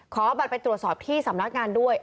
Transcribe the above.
ขอบัตรไปตรวจสอบที่สำนักงานด้วย